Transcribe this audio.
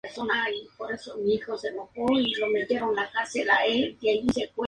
Esto incrementa el flujo lumínico y crea un haz de luz mejor enfocado.